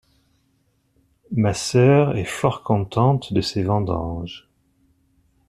Ma sœur est fort contente de ses vendanges.